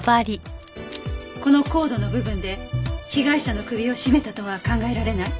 このコードの部分で被害者の首を絞めたとは考えられない？